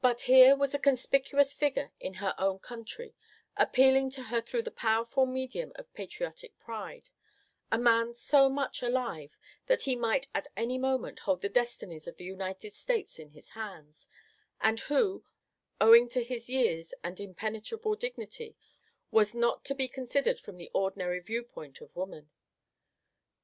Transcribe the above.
But here was a conspicuous figure in her own country, appealing to her through the powerful medium of patriotic pride; a man so much alive that he might at any moment hold the destinies of the United States in his hands, and who, owing to his years and impenetrable dignity, was not to be considered from the ordinary view point of woman.